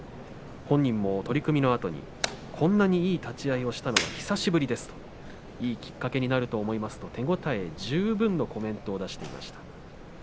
本人も取組後にこんなにいい立ち合いをしたのは久しぶりですといいきっかけになると思いますと手応え十分のコメントを出していました。